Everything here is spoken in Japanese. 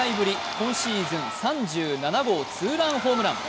今シーズン３７号ツーランホームラン。